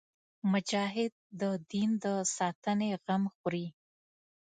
مجاهد د دین د ساتنې غم خوري.